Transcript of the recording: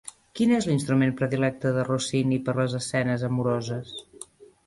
Quin és l'instrument predilecte de Rossini per les escenes amoroses?